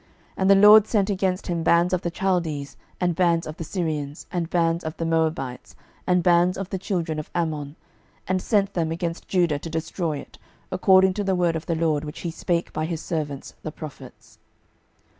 12:024:002 And the LORD sent against him bands of the Chaldees, and bands of the Syrians, and bands of the Moabites, and bands of the children of Ammon, and sent them against Judah to destroy it, according to the word of the LORD, which he spake by his servants the prophets.